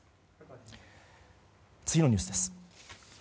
次のニュースです。